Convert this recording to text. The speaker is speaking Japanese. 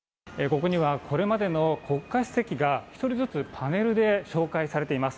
ここにはこれまでの国家主席が１人ずつパネルで紹介されています。